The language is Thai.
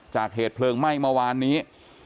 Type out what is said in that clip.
จากเหตุเพลิงไหม้เมื่อวานนี้